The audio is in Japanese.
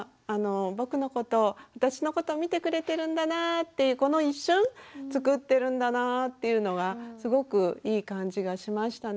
僕のこと私のこと見てくれてるんだなっていうこの一瞬つくってるんだなっていうのがすごくいい感じがしましたね。